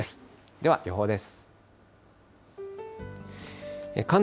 では予報です。